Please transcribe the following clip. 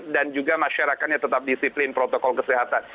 dan juga masyarakatnya tetap disiplin protokol kesehatan